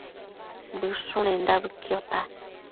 Bëshunenda bëquiota